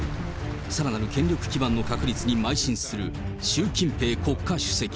さらなる権力基盤の確立にまい進する習近平国家主席。